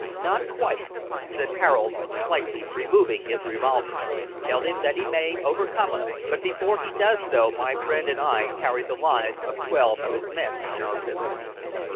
"Not quite," said Harold, slightly moving his revolver. "Tell him that he may overcome us, but before he does so my friend and I carry the lives of twelve of his men in our pistols."